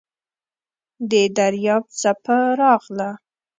د دریاب څپه راغله .